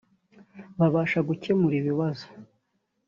babasha gukemura ibibazo